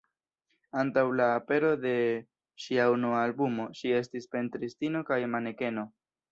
Antaŭ la apero de ŝia unua albumo, ŝi estis pentristino kaj manekeno.